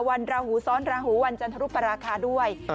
ราหูซ้อนราหูวันจันทรุปราคาด้วย